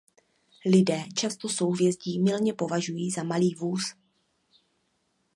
Lidé často souhvězdí mylně považují na Malý vůz.